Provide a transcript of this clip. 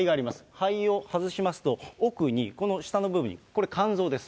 肺を外しますと、奥に、この下の部分にこれ、肝臓です。